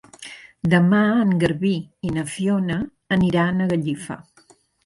Demà en Garbí i na Fiona aniran a Gallifa.